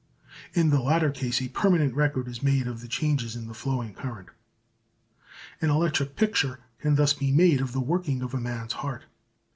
In the latter case a permanent record is made of the changes in the flowing current. An electric picture can thus be made of the working of a man's heart.